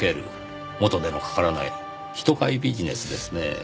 元手のかからない人買いビジネスですねぇ。